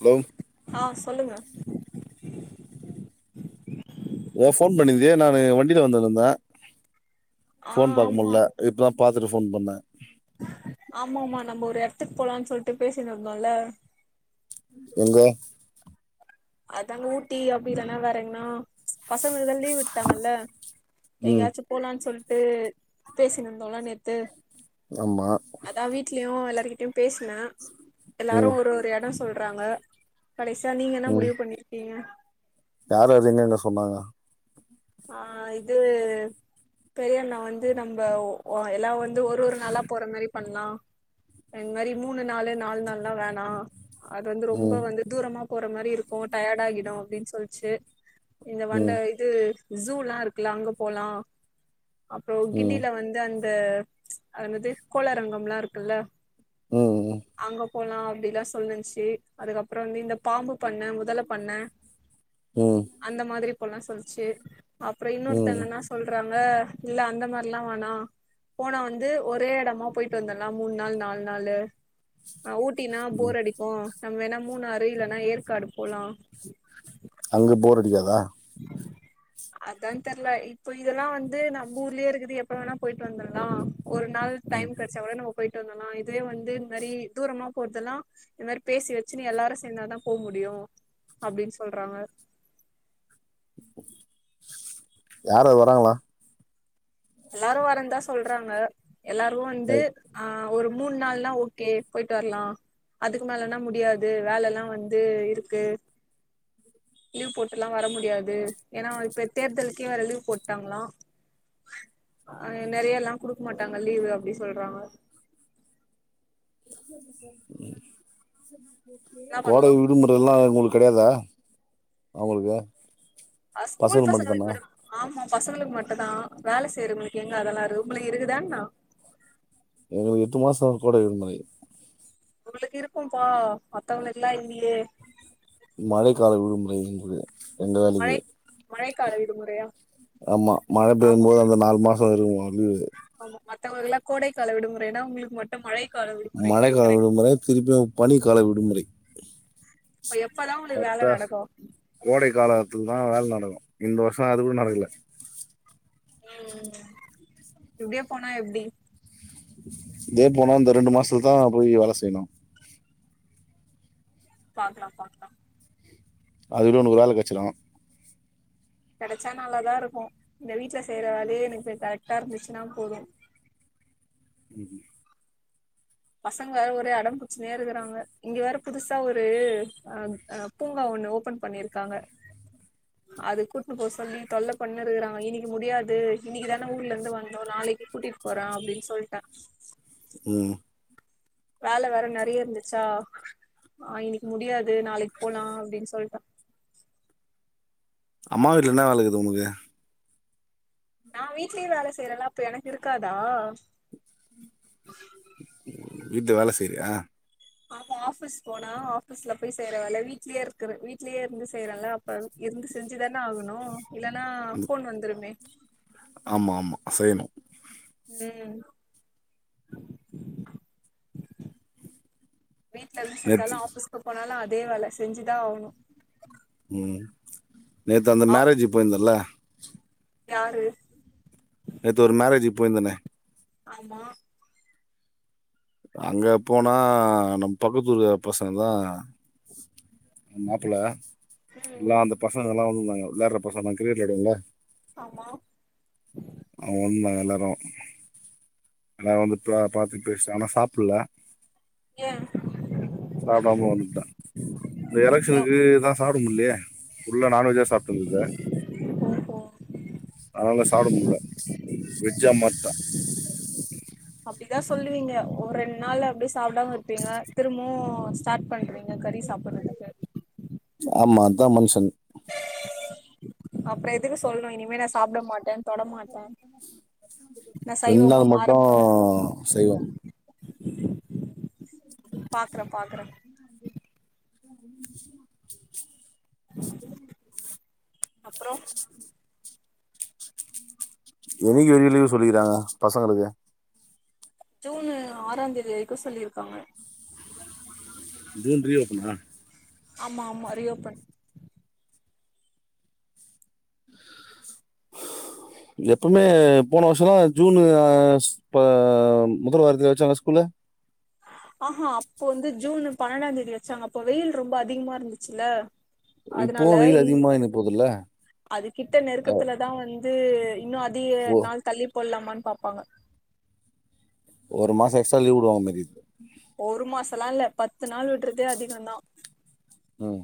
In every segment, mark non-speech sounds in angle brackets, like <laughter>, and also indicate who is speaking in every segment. Speaker 1: Hello
Speaker 2: ஆஹ சொல்லுங்க
Speaker 1: ஓ போன் பண்ணியிருந்தீங்க நானு வண்டியில வந்துட்டுருந்தே
Speaker 2: ஆ
Speaker 1: போன் பாக்க
Speaker 2: ஆமா
Speaker 1: முடியல இப்பதான் பாத்துட்டு ஃ போன் பண்ணே
Speaker 2: ஆமா ஆமா நம்ம ஒரு இடத்துக்கு போலானு சொல்லிட்டு பேசின்டு இருந்தோம்ல
Speaker 1: எங்க
Speaker 2: அதாங்க ஊட்டி அப்படி இல்லன்னா வேறங்கன்னா பசங்க ஸ்கூல் தா லீவ் விட்டாங்கல்ல
Speaker 1: ம்
Speaker 2: எங்கயாச்சும் போகலான்னு சொல்லி நேத்து பேசினு இருந்தோம்ல நேத்து
Speaker 1: ஆமா
Speaker 2: அதா வீட்லயும் எல்லாருக்கிட்ட பேஸ்னே
Speaker 1: ம்
Speaker 2: எல்லாரும் ஒரு ஒரு இடம் சொல்ல குப்டுறாங்க கடைசியா நீங்க என்ன முடிவு இருக்கீங்க
Speaker 1: யார அதுங்கங்க சொன்னாங்க
Speaker 2: ஆஹ் இது பெரியண்ணா வந்து நம்ப எல்லா வந்து ஒரு ஒரு நாளா போறா மாரி பண்ணலா இந்த மாரி மூணு நாளு நாலு நாள்லா வேணா அது வந்து ரொம்ப
Speaker 1: ம்
Speaker 2: வந்து தூரமா போற மாரியிருக்கோ டயர்ட் ஆகிடோ அப்டின்னு சொல்லுச்சு இந்த மண்ட
Speaker 1: ம்
Speaker 2: இது ஜூலா இருக்குல அங்க போலா அப்புறோ
Speaker 1: ம்
Speaker 2: கிண்டில வந்து அந் த அதென்னது கோளாரங்கம்லா இருக்குல்ல
Speaker 1: ம்
Speaker 2: அங்க போலா அப்டிலா சொல்லினுச்சு அதுக்கப்புறோ வந்து இந்த பாம்பு பண்ண முதல பண்ண
Speaker 1: ம் ம்
Speaker 2: அந்த மாதிரி போலா சொல்லுச்சு அப்புறோ
Speaker 1: ம்
Speaker 2: இன்னொருத்தங்கனா சொல்றா ங்க இல்ல அந்த மாரில்லா வேணா போனா வந்து ஒரே எடமா போயிட்டு வந்துடலா மூணு நாள் நாலு நாளு ஆஹ் ஊட்டினா
Speaker 1: ம்
Speaker 2: போர் அடிக்கு நம்ம வேணா மூணாறு இல்லன்னா ஏற்காடு போலா
Speaker 1: அங்க போர் அடிக்காதா
Speaker 2: அதா தெர்ல இப்போ இதெல்லா வந்து நம்ம ஊர்லயேயிருக்குது எப்ப வேணா போயிட்டு வந்துருலா ஒரு நாள்
Speaker 1: ம்
Speaker 2: டைம் கெடச்சா கூட நம்ப போயிட்டு வந்துலா இதுவே வந்து இந்த மாரி தூரமா போறதெல்லா இந்த மாரி பேசி வெச்சுனு எல்லாரோ சேந்தாதா போ முடியோ அப்டின்னு சொல்றாங்க
Speaker 1: யாரு வராங்களா
Speaker 2: எல்லாரு வறந்தா சொல்றாங்க எல்லாரு வந்து
Speaker 1: சரி.
Speaker 2: ஆஹ் ஒரு மூணு நாள்லா ஓகே போயிட்டு வரலா அதுக்கு மேலன்னா முடியாது வேலலா வந்து இருக்கு லீவ் போட்டுலா வர முடியாது ஏன்னா இப்ப தேர்தலுக்கே வேற லீவ் போட்டாங்ளா அஹ் நெறையலா குடுக்க மாட்டாங்க லீவு அப்டி சொல்றாங்க
Speaker 1: <unintelligible>
Speaker 2: என்ன பண்லா
Speaker 1: கோடை விடுமுறைலா உங்களுக்கு கெடையாதா அவங்களுக்கு
Speaker 2: அது ஸ்கூல் பசங்களுக்கு விடுவாங்க ஆமா பசங்களுக்கு மட்டுதா வேல செய்றவங்களுக்கு எங்க அதெல்லா இருக்கு உங்களுக்கு இருக்குதான்னா
Speaker 1: எங்களுக்கு எட்டு மாசோ கோடை விடுமுறை
Speaker 2: உங்களுக்கு இருக்கும்பா மத்தவங்களுக்குலா இல்லியே
Speaker 1: மழை கால விடுமுறை இங்க ரெண்டு வேலைக்கு
Speaker 2: மழை மழைக்கால விடுமுறையா
Speaker 1: ஆமா மழை பெயிம்
Speaker 2: ஆமா
Speaker 1: போது அந்த நாலு மாசம் குறையா இது
Speaker 2: ஆமா மத்தவக்கெல்லாம் கோடைக்கால விடுமுறைன்னா உங்களுக்கு மட்டும் மழை
Speaker 1: மழைக்கால விடுமுறை திருப்பியும் பனி கால விடுமுறை
Speaker 2: எப்பதான் உங்களுக்கு வேலை நடக்கும்
Speaker 1: அதான் வேலை நடக்கும் இந்த வருஷம் அது கூட நடக்கல
Speaker 2: உம் இப்டியே போனா எப்படி
Speaker 1: இதே போனா இந்த ரெண்டு மாசத்துதான் போய் வேலை செய்யணும்
Speaker 2: பாக்கலாம் பாக்கலாம்
Speaker 1: அதுன்னு உனக்கு வேழ கெச்சிடும்
Speaker 2: கிடைச்சா நல்லாதான் இருக்கும் இந்த வீட்டுல செய்யற வேலையே எனக்கு போய் கரெக்டா இருந்துச்சுன்னா போதும்
Speaker 1: உம்
Speaker 2: பசங்க வேற ஒரே அடம்பம்பிச்சனையா இருக்கறாங்க இங்க வேற புதுசா ஒரு அஹ்ஹ் பூங்கா ஒண்ணு ஓபன் பண்ணிருக்காங்க அது கூட்டுன்னு போ சொல்லி தொல்லை பண்ணு இருக்கறாங்க இன்னைக்கு முடியாது இன்னைக்கு தானே ஊர்ல இருந்து வாந்தோம் நாளைக்கு கூட்டிட்டு போறன் அப்படின்னு சொல்லிட்டேன்
Speaker 1: உஹம்
Speaker 2: வேலை வேற நிறைய இருந்துச்சா ஆஹ் இன்னைக்கு முடியாது நாளைக்கு போலாம் அப்படின்னு சொல்லிட்டா
Speaker 1: அம்மா வீட்டுல என்ன வேலைக்குது உனக்கு
Speaker 2: நான் வீட்லயும் வேலை செய்யறேல்லாம் அப்ப எனக்கு இருக்காதா
Speaker 1: வீட்டு வேலை செய்றியா
Speaker 2: ஆமா ஆபீஸ் போனா ஆஃபீஸ்ல போய் செய்யறவலை வீட்லயே இருக்க வீட்லயே இருந்து செய்யறல அப்ப இருந்து செஞ்சுதானே ஆகணும் இல்ன்னா போன் வந்துருமே
Speaker 1: அசேனும்
Speaker 2: உம் வீட்டுல இருந்து
Speaker 1: நேத்து
Speaker 2: இருந்தாலும் ஆபஸ்கு போனாலும் அதே இத வேழ செஞ்சுதான் ஆகணும்
Speaker 1: உம் நேற்று அந்த மேரேஜ் போயிருந்தல
Speaker 2: யாரு
Speaker 1: நேத்து ஒரு மேரேஜ்க்கு போயிருந்தேனே
Speaker 2: ஆமா
Speaker 1: அங்க போனா நம்ம பக்கத்தூர் பசங்க தான் மாப்பிள்ள எல்லாம்
Speaker 2: ம்
Speaker 1: அந்த பசங்கல்லாம் வந்திருந்தாங்க வேலர்ப்பா நான் கிரிக்கெட் கேட்டேன் லா
Speaker 2: ஆமா
Speaker 1: அதுவும் தாங்க எல்லாரும் ஆனா வந்து நான் பாத்துட்டு ஆனா சாப்பிடல
Speaker 2: ஏ
Speaker 1: ஆடாம வந்டேம் இந்த
Speaker 2: எ
Speaker 1: எலெக்ஷனுக்கு சாப்பிடமுல்லையே உள்ள நான்வெஜ்ஜா சாப்பிட்டட்டுருந்த ச
Speaker 2: ஓஹோ
Speaker 1: அதால சாப்பிட முல வெஜ்ஜா மட்டான்
Speaker 2: அப்படிதான் சொல்லுவீங்க ஒரு ரெண்டு நாள் அப்படி சாப்பிடாமங்க இருப்பீங்க திரும்பவும் ஸ்டார்ட் பண்றீங்க கறி சாப்பிடுறதுக்கு
Speaker 1: ஆமா அதான் மனுஷன்
Speaker 2: அப்புறம் எதுக்கு சொல்லணும் இனிமே நான் சாப்ட மாட் நா
Speaker 1: ரெண்டு
Speaker 2: சைவமா
Speaker 1: நாள் மட்டும் சைவம்
Speaker 2: பாக்குறேன் பாக்குறேன்
Speaker 1: <inaudible> <unintelligible>
Speaker 2: அப்புறோ
Speaker 1: எதுக்கு லீவு சொல்லிக்கிறாங்க பசங்களுக்கு
Speaker 2: ஜுனு ஆறாம் தேதி வரைக்கும் சொல்லிருக்காங்க
Speaker 1: ஜூன் ரிஓப்பனா
Speaker 2: ஆமா ஆமா ரியோபன்
Speaker 1: எப்பவுமே போன வருஷம்ல்லா ஜூன் இப்ப முதல் வார தேதி வச்சாங்க ஸ்கூல்லு
Speaker 2: ஆஹஹா அப்போ வந்து ஜூன் பன்னெண்டாம் தேதி வச்சாங்க அப்ப வெயில் ரொம்ப அதிகமா இருந்துச்சுல்ல
Speaker 1: இப்பவு
Speaker 2: அதனால
Speaker 1: வெயில் அதிகமாயினு போதுல்ல
Speaker 2: அது கிட்ட நெருக்கத்துலதான் வந்து இது இன்னும் அதிக
Speaker 1: ஓ
Speaker 2: நாள் தள்ளி போடலாமான் பார்ப்பாங்க
Speaker 1: ஒரு மாசம் எக்ஸ்ட்ரா லீவு விடுவாங்க மாரி
Speaker 2: ஒரு மாசல்லாம் இல்ல பத்து நாள் விடுறதே அதிகதான்
Speaker 1: ஹம்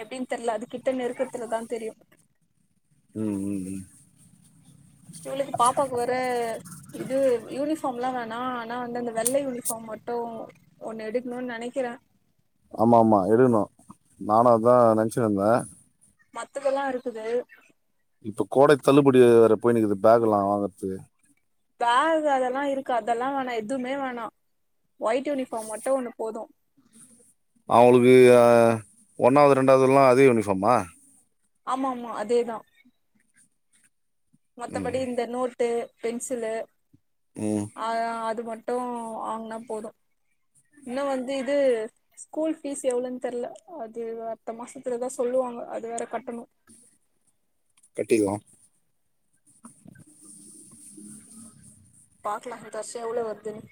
Speaker 2: எப்படின்னு தெரில அது கிட்ட நெருக்கத்துலதான் தெரியும்
Speaker 1: உஹம் உம் உம்
Speaker 2: இவளுக்கு பாப்பாக்கு வேற இதுவும் இருக் யூனிஃபார்ம் லாம் வேணாம் ஆனா வந்து அந்த வெள்ளை யூனிஃபார்ம் மட்டும் ஒண்ணு எடுக்கணும்னு நெனைக்கிறேன்
Speaker 1: ஆமா ஆமா எடுக்கணும் நானும் அதான் நெனச்சினு இருந்தேன்
Speaker 2: மத்ததெல்லாம் இருக்குது
Speaker 1: இப்ப கோடை தள்ளுபடி வேற போயினுக்குது பேகுலாம் வாங்கறத்துக்கு
Speaker 2: பேக் அதெல்லாம் இருக்கு அதெல்லாம் வேணாம் எதுவுமே வேணா ஒயிட்யூனிஃபாம் மட்டும் ஒன்னு போதும்
Speaker 1: அவளுக்கு ஒன்னாவது ரெண்டாவதுல்லாம் அதே யூனிஃபாம்மா
Speaker 2: ஆமா ஆமா அதேதான்
Speaker 1: ம்
Speaker 2: மத்தபடி இந்த நோர் நோட்டு பென்சிலு
Speaker 1: ம்
Speaker 2: ஆஹ் அது மட் அது மட்டும் வாங்கனா போதும் இன்னும் வந்து இது ஸ்கூல் பீஸ் எவ்ளவுன்னு தெரில அது அடுத்த மாசத்துலதான் சொல்லுவாங்க அது வேற கட்டணும்
Speaker 1: கட்டிலாம்
Speaker 2: பாக்கலாம் அடுத்த வருசம் எவ்வளவு வருதுன்னு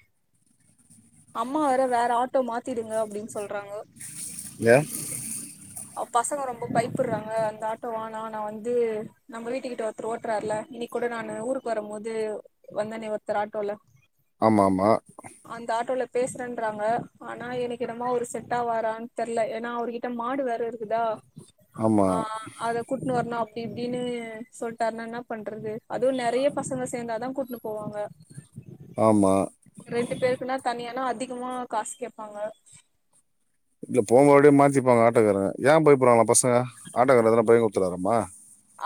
Speaker 2: அம்மா வேற வேற ஆட்டோ மாத்திடுங்க அப்படின்னு சொல்ற
Speaker 1: ஏ
Speaker 2: பசங்க ரொம்ப பயப்புடுறாங்க அந்த ஆட்டோ வேணாம் நான் வந்து நம்ம வீட்டு கிட்ட ஒருத்தர் ஓட்டுறாருல இன்னிக் கூட நான் ஊருக்கு வரும் போது வந்தனே ஒருத்தர் ஆட்டோல
Speaker 1: ஆமா ஆமா
Speaker 2: பேசன்றறாங்க ஆனா எனக்கு என்னமொ ஒரு செட்டா வரான்னு தெரியல ஏன்னா அவர்கிட்ட மாடு வேர இருக்குதா
Speaker 1: ஆமா
Speaker 2: ஆஹ் அத கூட்டனு வரணா இப்படின்னு சொல்லிட்டாருனா என்ன பண்றது அதுவும் நிறைய பசங்க சேர்ந்தாதான் கூட்டிட்டு போவாங்க
Speaker 1: ஆமா
Speaker 2: ரெண்டு பேருக்குன்னா தனியா இல்ன்ன அதிகமா காசு கேப்பாங்க
Speaker 1: இங்கபோங்கபடியே மாத்திப்பாங்க ஆட்டைக்காரங்க ஏன் போய போடுறாங்களா பசங்க ஆட்டக்காரன பையங்க கூடுத்துடுறாரமா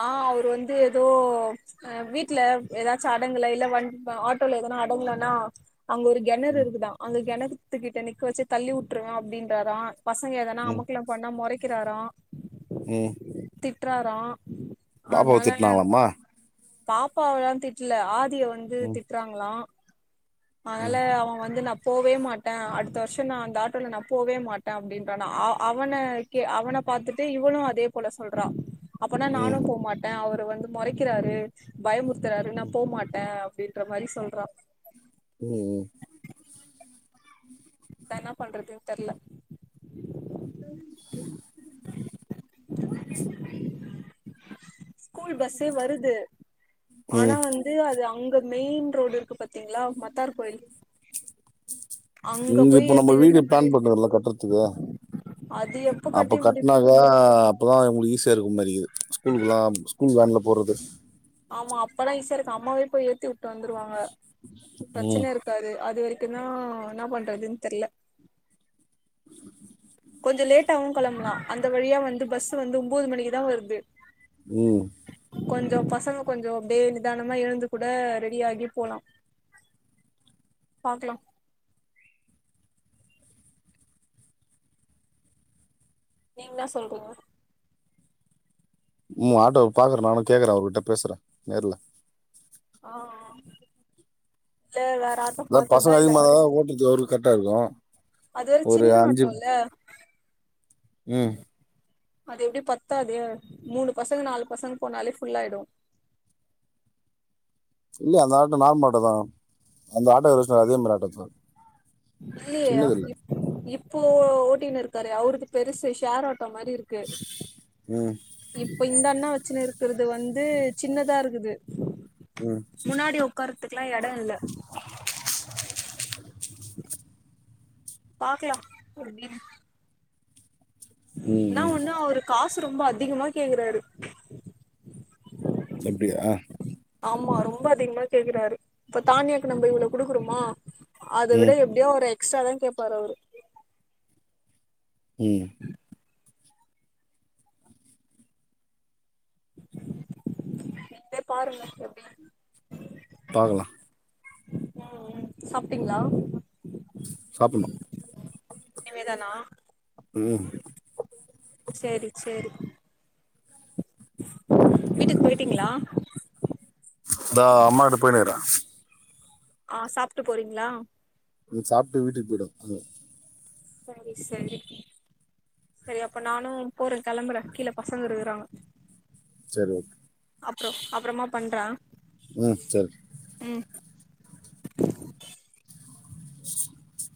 Speaker 2: ஆஹ் அவரு வந்து ஏதோஹ் வீட்ல ஏதாச்சும் அடங்கல இல்ல வண்ட ஆட்டோல எதனா அடங்கலன்னா அங்க ஒரு கிணறு
Speaker 1: ம்
Speaker 2: இருக்குதான் அங்க கிண குத்துக்கிட்ட நிக்க வச்சு தள்ளி வுட்டுருவேன் அப்படின்றாரா பசங்க எதனா அமக்கலாம் பண்ணா முறைக் க்கிறார
Speaker 1: உம்
Speaker 2: தி்ட்டுறாரா
Speaker 1: பாப்பாவ திட்டுனாராமா
Speaker 2: பாப்பாவல்லாம் திட்டுல ஆ இங்க வந்து
Speaker 1: ம்
Speaker 2: திட்டுறாங்லா மனல
Speaker 1: ம்
Speaker 2: அவன் வந்து நான் போவே மாட்டேன் அடுத்த வருஷம் நான் அந்த ஆட்டோல நான் போவே மாட்டேன் அப்படின்றானா அந்த ஆட்டோவில் போவ மாட்டலா அவனை கே அவனை பாத்துட்டு இவனும் அதே போல சொல்றான் அப்பனான்
Speaker 1: ம்
Speaker 2: நானும் போ மாட்டே அவர் வந்து முறைக்கிறாரு பயமுத் பயமுறுத்துராரு
Speaker 1: ம்
Speaker 2: நான் போ மாட்டேன் அப்படின்ற மாரி சொல்றா
Speaker 1: உம்
Speaker 2: நான் என்ன பண்றதுன்னு தெர்ல
Speaker 1: <inaudible>
Speaker 2: மாரி அந்த பை ஸ்கூல் பஸ்ஸே வருது ஆனா வந்து அது அங்க மெயின் ரோடு பாத்தீங்களா மத்தார் கோயில் அங்க
Speaker 1: இங்கு
Speaker 2: போய்
Speaker 1: நம்ம
Speaker 2: ஏத்தி விடுற
Speaker 1: வீடு
Speaker 2: மாரி
Speaker 1: பிளான்
Speaker 2: இருக்கு
Speaker 1: பண்ணல நம்ம நம்ம கட்டுறதுக்கு
Speaker 2: அது எப்ப கட்டி
Speaker 1: அப்ப கட்னாதா
Speaker 2: முடிப்போமோ
Speaker 1: நமக்கு ஈசி <unintelligible> ஸ்கூல்குலாம் ஸ்கூல் வேன் போறது
Speaker 2: ஆமா அப்பலாம் ஈசியா இருக்கு அம்மாவே போய் ஏத்தி விட்டு வந்துருவாங்க
Speaker 1: ம்
Speaker 2: பிரச்சன இருக்காது அது வரைக்கும் இதுனா என்ன பண்றதுனு தெரியல கொஞ்ச லேட்டாகவு கிளம்பலா அந்த வழியா வந்து பஸ் வந்து ஒம்போது மணிக்குதான் வருது
Speaker 1: உம்
Speaker 2: கொஞ்ச பசங்க கொஞ்ச ப்டே நிதானமா எழுந்து கூட ரெடி ஆகி போலா பாக்கலாம் நீங்லா சொல்றீங்ளா
Speaker 1: உம் ஆட்டோ பாக்குறே நானு கேக்குறே அவர்கிட்ட பேசுறே நேர்ல
Speaker 2: ஆஹ ஹ இல்ல வேற ஆட்டோ
Speaker 1: அதா பசங்க
Speaker 2: பாத்துதான்
Speaker 1: அதிகமா
Speaker 2: எல்லாரும் இல்ல ஒரு
Speaker 1: இருந்தா தா
Speaker 2: சில
Speaker 1: ஓட்டுறதுக்கு அவருக்கு கரெக்டா இருக்கு
Speaker 2: அது ஒரு சின்ன ஆட்டோ இல்ல
Speaker 1: ம்
Speaker 2: அது எப்பிடி பத்தாதே மூணு பசங்க நாலு பசங்க போனாலே ஃபுல்லாயிடு
Speaker 1: இல்ல அந்த ஆட்டோ நார்மல் ஆட்டோ தா அந்த ஆட்டோச் அதே மாதிரி ஆட்டோ தா
Speaker 2: இது
Speaker 1: சின்னது
Speaker 2: இப்
Speaker 1: இல்ல
Speaker 2: இப் இப்போ ஓட்டியினு இருக்காரே அவுருது பெருசு ஷேர் ஆட் வந்த மாதிரி இருக்கு
Speaker 1: ம்
Speaker 2: உம் இப்ப இந்த அண்ணா வச்சினு இருக்கிறது வந்து சின்னதா இருக்குது
Speaker 1: ம்
Speaker 2: முன்னாடி உக்கார் இதுக்கெல்லாம் எட இல்ல பாக்கலாம் பொருமையா
Speaker 1: ம்
Speaker 2: என்ன
Speaker 1: ம்
Speaker 2: ஒன்னு அவுரு காசு ரொம்ப அதிகமா கேக்குறாரு
Speaker 1: அப்பிடியா க்ஷ
Speaker 2: ஆமா ரொம்ப அதிகமா கேக்குறாரு இப்ப தானியாக்கு நம்ம இவ்ளவு குடுக்குறோமா அதை விட
Speaker 1: ம்
Speaker 2: எப்டியோ ஒரு எட் சமைக்க போரவாரு
Speaker 1: ம்
Speaker 2: என் பாருங்கப் எப்டினு
Speaker 1: பாக்கலாம்
Speaker 2: ம் சாப்பிட்டீங்களா
Speaker 1: சாப்டுணும்
Speaker 2: இனிமேதானா சேரி சேரி வீட்டுக்கு போயிட்டீங்களா
Speaker 1: அதா அம்மா கிட்ட போயினே இருகேன்
Speaker 2: ஆஹ சாப்ட்டு போறீங்களா
Speaker 1: நீ சாப்பிட்டு வீட்டுக்கு போய்டும்
Speaker 2: சரி சரி சரி அப்ப நானு போறே கிளம்புறேன் கீழ பசங்க இருகுறாங்க
Speaker 1: சரி ஓகே
Speaker 2: அப்புற அப்புறமா பண்றே
Speaker 1: ம் சரி
Speaker 2: டும் கும்
Speaker 1: ச்சே